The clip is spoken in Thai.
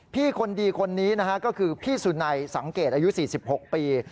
คนดีคนนี้นะฮะก็คือพี่สุนัยสังเกตอายุ๔๖ปี